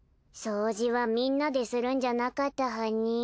掃除はみんなでするんじゃなかったはに？